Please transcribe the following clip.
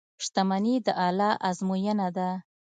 • شتمني د الله ازموینه ده.